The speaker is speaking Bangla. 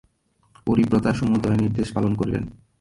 পতিব্রতা সমুদয় নির্দেশ পালন করিলেন।